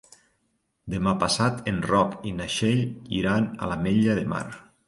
Demà passat en Roc i na Txell iran a l'Ametlla de Mar.